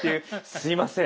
すいません。